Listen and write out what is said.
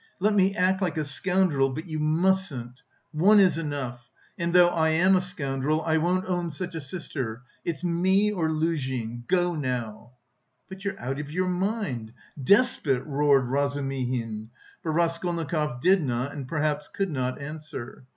Let me act like a scoundrel, but you mustn't... one is enough... and though I am a scoundrel, I wouldn't own such a sister. It's me or Luzhin! Go now...." "But you're out of your mind! Despot!" roared Razumihin; but Raskolnikov did not and perhaps could not answer.